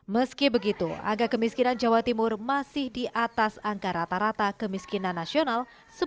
meski begitu angka kemiskinan jawa timur masih di atas angka rata rata kemiskinan nasional